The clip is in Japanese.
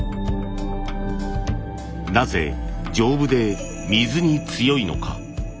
なぜ丈夫で水に強いのか。